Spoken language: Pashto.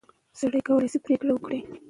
سړی کولای شي پرېکړه وکړي.